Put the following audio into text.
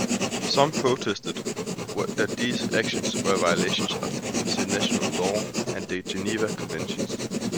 Some protested that these actions were violations of international law and the Geneva Conventions.